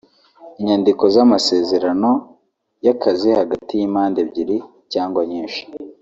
inyandiko z’amasezerano y’akazi hagati y’impande ebyiri cyangwa nyinshi